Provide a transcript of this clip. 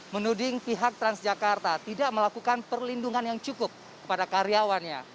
menuding pihak transjakarta tidak melakukan perlindungan yang cukup kepada karyawannya